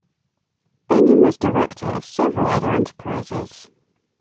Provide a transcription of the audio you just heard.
Bingham was director of several other enterprises.